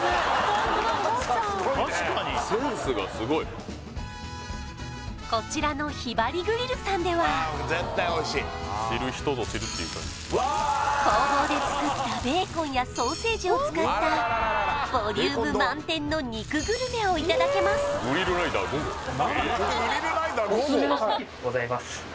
確かにセンスがすごいこちらのヒバリグリルさんでは工房で作ったベーコンやソーセージを使ったボリューム満点の肉グルメをいただけます